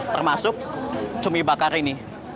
termasuk cumi bakar ini